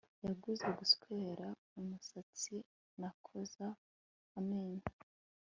Yaguze guswera umusatsi no koza amenyo